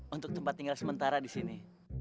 untuk tempat tinggal sementara disini